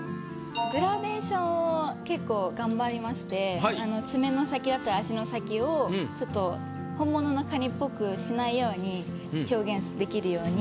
グラデーションを結構頑張りまして爪の先だったり脚の先をちょっと本物のカニっぽくしないように表現できるように。